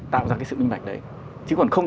tạo ra cái sự minh bạch đấy chứ còn không